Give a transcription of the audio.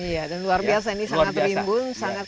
iya dan luar biasa ini sangat berimbun